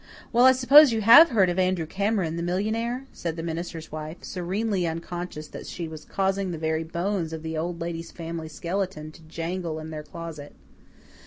"Well, I suppose you have heard of Andrew Cameron, the millionaire?" said the minister's wife, serenely unconscious that she was causing the very bones of the Old Lady's family skeleton to jangle in their closet.